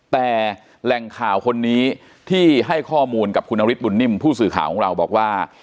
แต่แหล่งข่าวคนนี้ที่ให้ข้อมูลกับคุณนฤทธบุญนิ่มผู้สื่อข่าวของเราบอกว่า